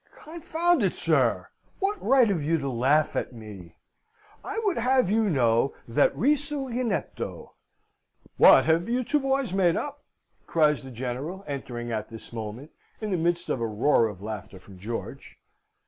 Confound it, sir! What right have you to laugh at me? I would have you to know that risu inepto" "What, have you two boys made it up?" cries the General, entering at this moment, in the midst of a roar of laughter from George.